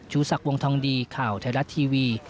สักวงทองดีข่าวไทยรัฐทีวี